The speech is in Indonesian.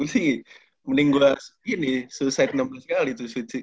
gue sih mending gue gini suicide enam belas kali tuh